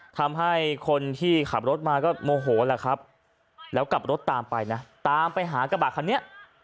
ทำให้คนที่ขับรถมาก็โมโหแหละครับแล้วกลับรถตามไปนะตามไปหากระบะคันนี้